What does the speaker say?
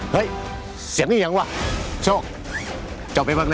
เฮ้ยเสียงอีกอย่างว่ะโชคเจ้าไปบังนะ